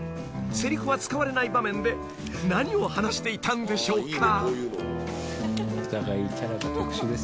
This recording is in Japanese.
［せりふは使われない場面で何を話していたんでしょうか？］